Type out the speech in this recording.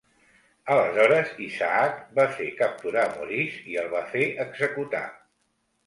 Aleshores, Isaac va fer capturar Maurice i el va fer executar.